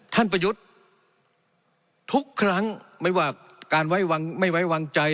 ประยุทธ์ทุกครั้งไม่ว่าการไว้ไม่ไว้วางใจ